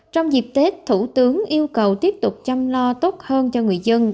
trong dịp tết thủ tướng yêu cầu tiếp tục chăm lo tốt hơn cho người dân